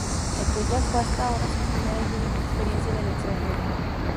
Aquella fue hasta ahora su primera y única experiencia en el extranjero.